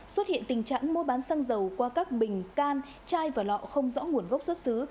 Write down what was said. xuất hiện tình trạng mua bán xăng dầu qua các bình can chai và lọ không rõ nguồn gốc xuất xứ